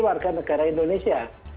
warga negara indonesia